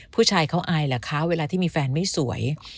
ผู้ชายเขาอายเหรอคะเวลาที่มีแฟนไม่สวย